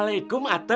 bisa enak banget